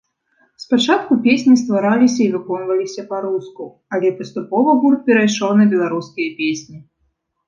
Спачатку песні ствараліся і выконваліся па-руску, але паступова гурт перайшоў на беларускія песні.